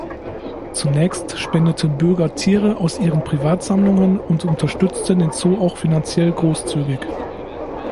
Zunächst spendeten Bürger Tiere aus ihren Privatsammlungen und unterstützten den Zoo auch finanziell großzügig.